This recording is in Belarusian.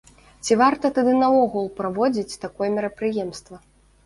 Ці варта тады наогул праводзіць такое мерапрыемства?